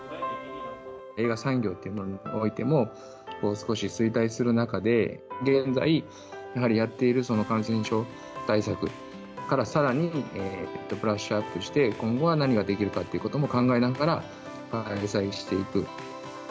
映画産業というものにおいても、少し衰退する中で、現在やはりやっている感染症対策からさらにブラッシュアップして、今後は何ができるかということも考えながら、開催していく。